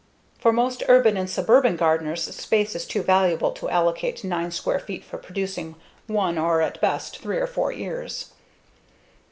For most urban and suburban gardeners, space is too valuable to allocate 9 square feet for producing one or at best three or four ears.